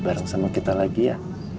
bareng sama kita lagi ya